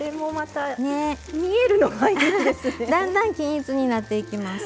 だんだん均一になっていきます。